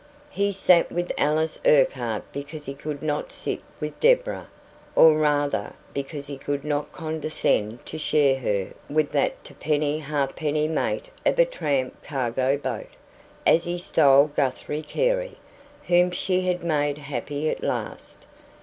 He sat with Alice Urquhart because he could not sit with Deborah; or rather, because he would not condescend to share her with that "t'penny ha'penny mate of a tramp cargo boat", as he styled Guthrie Carey, whom she had made happy at last.